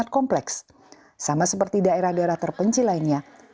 kan repot jadinya